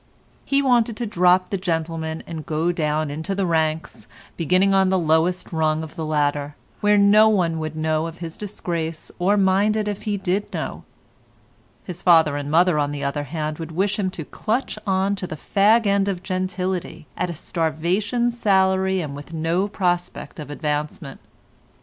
He wanted to drop the gentleman and go down into the ranks, beginning on the lowest rung of the ladder, where no one would know of his disgrace or mind it if he did know; his father and mother on the other hand would wish him to clutch on to the fag end of gentility at a starvation salary and with no prospect of advancement.